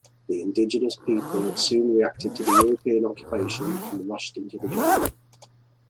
The indigenous people soon reacted to the European occupation, and rushed into the jungle.